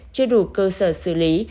chưa đủ cơ sở xử lý